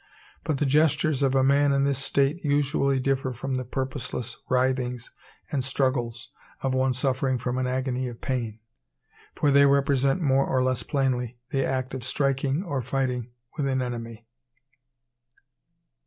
But the gestures of a man in this state usually differ from the purposeless writhings and struggles of one suffering from an agony of pain; for they represent more or less plainly the act of striking or fighting with an enemy.